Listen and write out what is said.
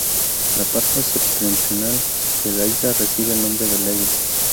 La parte septentrional de la isla recibe el nombre de Lewis.